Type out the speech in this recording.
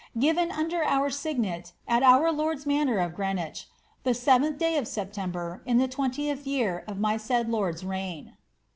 Given under our signet, at my lord's manor of Greenwich, the 7th' day of Sep tember, in the 20th year of my said lord's reign.